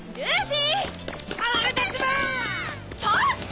ちょっと！